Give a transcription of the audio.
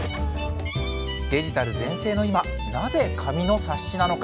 デジタル全盛の今、なぜ紙の冊子なのか。